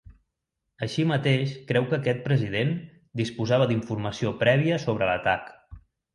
Així mateix creu que aquest president disposava d'informació prèvia sobre l'atac.